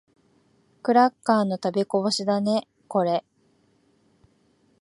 クラッカーの食べこぼしだね、これ。